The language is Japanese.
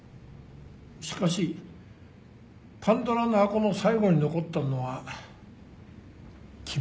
しかしパンドラの箱の最後に残ったのは希望だ。